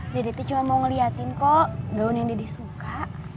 dedet cuma mau ngeliatin kok gaun yang dede suka